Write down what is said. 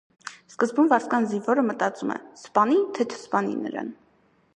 Սկզբում վարձկան զինվորը մտածում է՝ սպանի, թե չսպանի նրան։